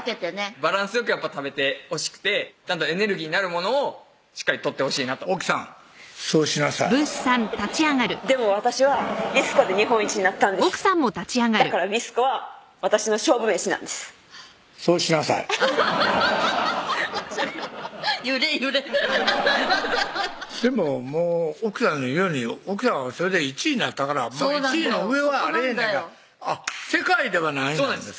バランスよくやっぱ食べてほしくてちゃんとエネルギーになるものをしっかりとってほしいなと奥さんそうしなさいでも私は「ビスコ」で日本一になったんですだから「ビスコ」は私の勝負飯なんですそうしなさい揺れ揺れアハハハハッでももう奥さんの言うように奥さんはそれで１位になったから１位の上はあれへんねんからあっ世界では何位なんですか？